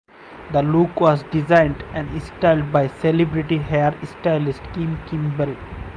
The look was designed and styled by celebrity hairstylist Kim Kimble.